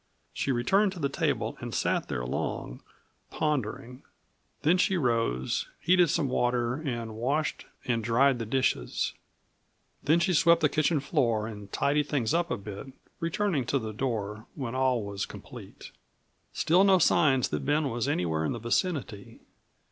She returned to the table and sat there long, pondering. Then she rose, heated some water, and washed and dried the dishes. Then she swept the kitchen floor and tidied things up a bit, returning to the door when all was complete. Still no signs that Ben was anywhere in the vicinity.